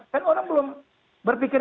kan orang belum berpikir